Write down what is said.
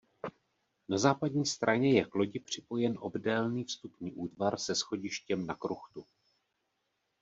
Na západní straně je k lodi připojen obdélný vstupní útvar se schodištěm na kruchtu.